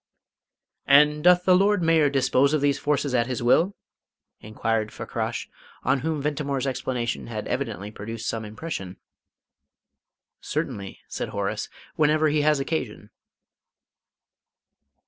"And doth the Lord Mayor dispose of these forces at his will?" inquired Fakrash, on whom Ventimore's explanation had evidently produced some impression. "Certainly," said Horace; "whenever he has occasion."